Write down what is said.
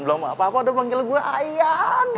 belum apa apa udah panggil gue ayang